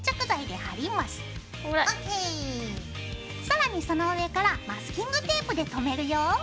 更にその上からマスキングテープでとめるよ。